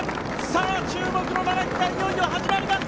さあ、注目の７区がいよいよ始まります。